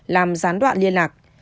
làm gián đoạn liên lạc